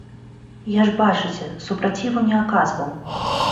Я ж бачыце, супраціву не аказваў.